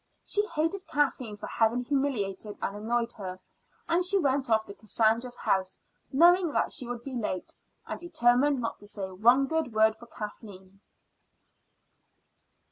She hated Kathleen for having humiliated and annoyed her; and she went off to Cassandra's house knowing that she would be late, and determined not to say one good word for Kathleen.